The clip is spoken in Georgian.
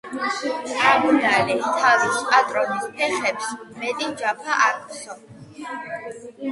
აბდალი თავის პატრონის ფეხებს მეტი ჯაფა აქვსო.